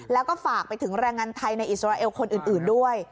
แล้วก็ฝากไปถึงแรงงานไทยในอิสราเอลคนอื่นด้วย